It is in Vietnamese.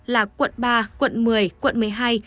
là quận ba quận một mươi quận một mươi hai